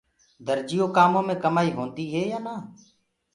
درجيو ڪآمون مي ڪمآئي هوندي هي يآن نآ